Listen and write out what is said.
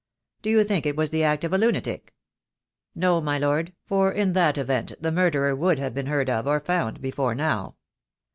"Do you think it was the act of a lunatic?" "No, my Lord, for in that event the murderer would have been heard of or found before now.